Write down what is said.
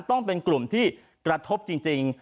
ต้องเป็นกลุ่มที่กระทบจริง